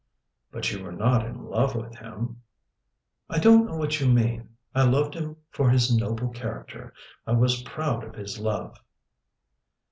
"But you were not in love with him?" "I don't know what you mean. I loved him for his noble character. I was proud of his love."